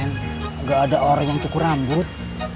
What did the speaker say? tidak ada orang yang cukur rambut